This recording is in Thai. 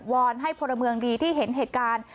อนให้พลเมืองดีที่เห็นเหตุการณ์